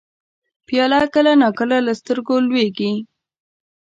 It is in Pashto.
پیاله کله نا کله له سترګو لوېږي.